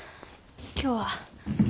今日は。